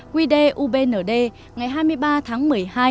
quy đề ubnd ngày hai mươi ba tháng một mươi hai hai nghìn một mươi sáu